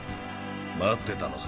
待ってたのさ